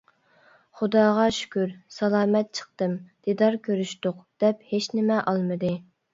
خۇداغا شۈكۈر، سالامەت چىقتىم، دىدار كۆرۈشتۇق، -دەپ ھېچنېمە ئالمىدى.